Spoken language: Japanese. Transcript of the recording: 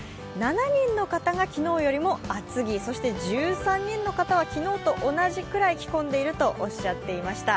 ７人の方が昨日よりも厚着、そして１３人の方は昨日と同じくらい着込んでいるとおっしゃっていました。